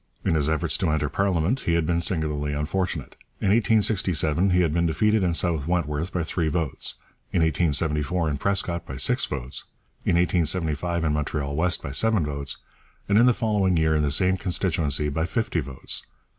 In his efforts to enter parliament he had been singularly unfortunate. In 1867 he had been defeated in South Wentworth by three votes; in 1874 in Prescott by six votes; in 1875 in Montreal West by seven votes; and in the following year in the same constituency by fifty votes.